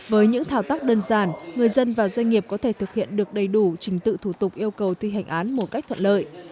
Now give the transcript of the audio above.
với những thao tác đơn giản người dân và doanh nghiệp có thể thực hiện được đầy đủ trình tự thủ tục yêu cầu thi hành án một cách thuận lợi